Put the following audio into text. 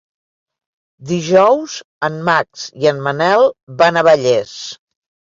Dijous en Max i en Manel van a Vallés.